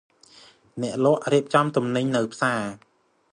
អ្នកលក់រៀបចំទំនិញនៅផ្សារ។